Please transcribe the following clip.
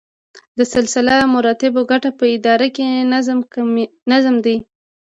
د سلسله مراتبو ګټه په اداره کې نظم دی.